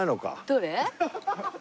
どれ？